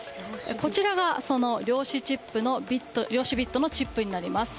こちらが、その量子ビットのチップになります。